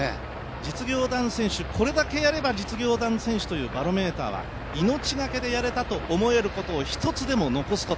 実業団選手、これだけやれば実業団選手と言えるバロメーターは命がけでやれたと思えることを一つでも残すこと